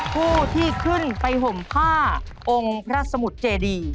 ผู้ที่ขึ้นไปห่มผ้าองค์พระสมุทรเจดี